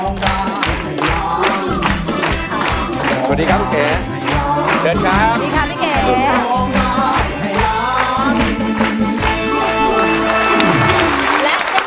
ร้องได้ให้ร้อง